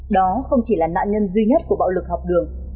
đó không chỉ là nạn nhân duy nhất của bạo lực học đường